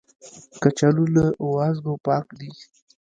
کچالو له وازګو پاک دي